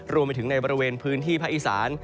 รวมไปถึงในบริเวณพื้นที่ภาคอีสาน